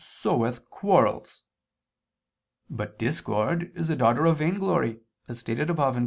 'loveth'] quarrels." But discord is a daughter of vainglory, as stated above (Q.